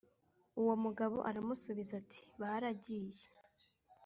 Uwo mugabo aramusubiza ati Baragiye